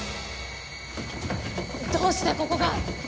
どうしてここが？